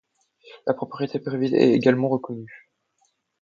La propriété privée est également reconnue.